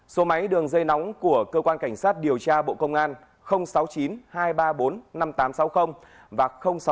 số máy đường dây nóng của cơ quan cảnh sát điều tra bộ công an sáu mươi chín hai trăm ba mươi bốn năm nghìn tám trăm sáu mươi và sáu mươi chín hai trăm ba mươi hai một nghìn sáu trăm bảy